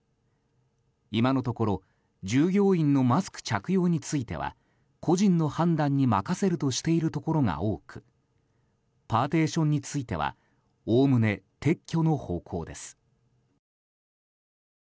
今のところ従業員のマスク着用については個人の判断に任せるとしているところが多くパーティションについてはおおむね撤去の方向です。